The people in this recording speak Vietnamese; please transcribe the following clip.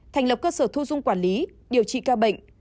thành lập cơ sở thu dung quản lý điều trị ca bệnh